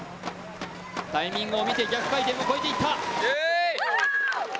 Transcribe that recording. タイミングを見て逆回転を越えていった。